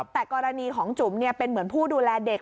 แต่กรณีของจุ๋มเป็นเหมือนผู้ดูแลเด็ก